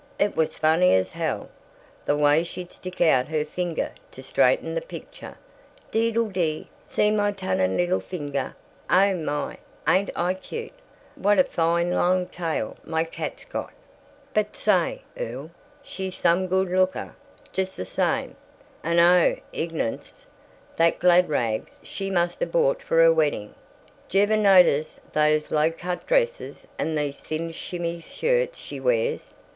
It was funny as hell the way she'd stick out her finger to straighten the picture deedle dee, see my tunnin' 'ittle finger, oh my, ain't I cute, what a fine long tail my cat's got!" "But say, Earl, she's some good looker, just the same, and O Ignatz! the glad rags she must of bought for her wedding. Jever notice these low cut dresses and these thin shimmy shirts she wears?